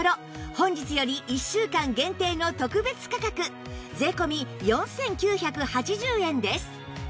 本日より１週間限定の特別価格税込４９８０円です